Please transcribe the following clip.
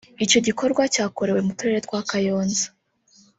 Icyo gikorwa cyakorewe mu turere twa Kayonza